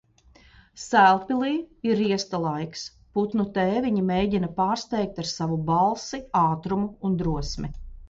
Sēlpilī ir riesta laiks. Putnu tēviņi mēģina pārsteigt ar savu balsi, ātrumu un drosmi.